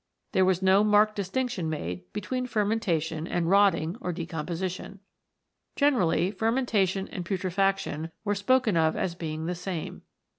There was no marked distinction made between fermentation and rotting or decomposition. Generally fermentation and putrefaction were spoken of as being the same.